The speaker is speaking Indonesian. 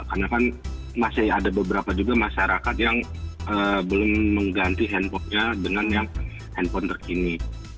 karena kan masih ada beberapa juga masyarakat yang belum mengganti handphonenya dengan yang handphone terkini